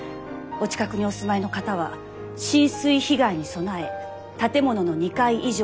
お近くにお住まいの方は浸水被害に備え建物の２階以上に移動してください。